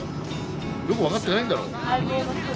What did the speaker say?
よく分かってないんだろ？